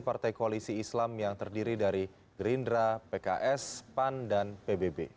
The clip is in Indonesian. partai koalisi islam yang terdiri dari gerindra pks pan dan pbb